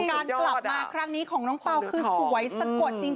การกลับมาครั้งนี้ของน้องเปล่าคือสวยสะกดจริง